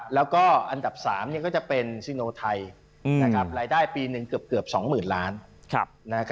แล้วก็อันดับ๓ก็จะเป็นซิโนไทยรายได้ปีหนึ่งเกือบ๒๐๐๐ล้าน